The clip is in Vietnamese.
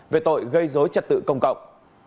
về tội gây dối trật tự công cộng